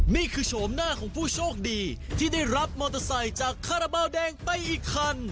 โฉมหน้าของผู้โชคดีที่ได้รับมอเตอร์ไซค์จากคาราบาลแดงไปอีกคัน